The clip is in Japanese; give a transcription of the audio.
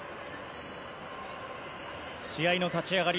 試合の立ち上がり